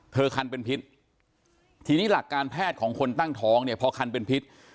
คันเป็นพิษทีนี้หลักการแพทย์ของคนตั้งท้องเนี่ยพอคันเป็นพิษ